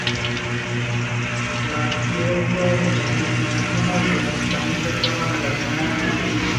Se piensa que la sima y el asentamiento estaban relacionados entre sí.